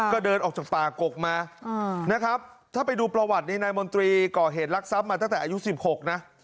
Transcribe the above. ก็เดินออกจากป่ากกมานะครับถ้าไปดูประวัตินี่นายมนตรีก่อเหตุรักทรัพย์มาตั้งแต่อายุ๑๖นะ